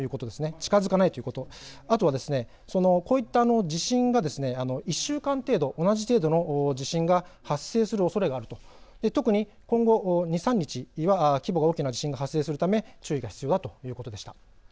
近づかないということ、あとはこういった地震が１週間程度同じ程度の地震が発生するおそれがあるという、特に今後２、３日は規模が大きな地震が発生するため注意が必要だということでした。